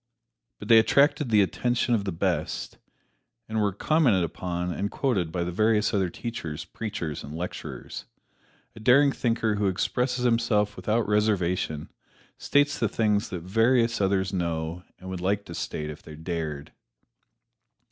But they attracted the attention of the best, and were commented upon and quoted by the various other teachers, preachers and lecturers. A daring thinker who expresses himself without reservation states the things that various others know and would like to state if they dared.